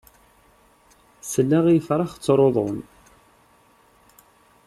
Selleɣ i ifrax ttruḍen.